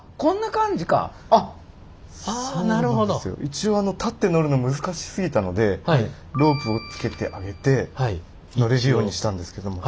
一応立って乗るの難しすぎたのでロープをつけてあげて乗れるようにしたんですけども。